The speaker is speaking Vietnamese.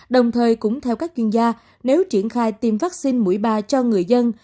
đồng thời cũng theo các chuyên gia nếu triển khai tiêm vaccine mũi ba cho người dân